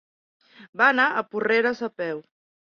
Va anar a Porreres a peu.